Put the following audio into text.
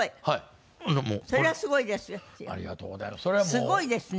すごいですね！